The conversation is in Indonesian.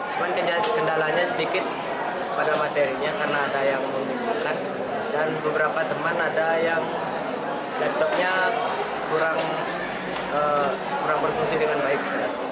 cuman kendalanya sedikit pada materinya karena ada yang membutuhkan dan beberapa teman ada yang laptopnya kurang berfungsi dengan baik